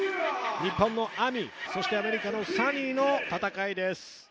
日本のＡＭＩ、そしてアメリカのＳｕｎｎｙの戦いです。